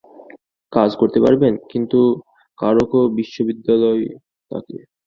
কাজ করতে পারবেন, কিন্তু কারকও বিশ্ববিদ্যালয় তাঁকে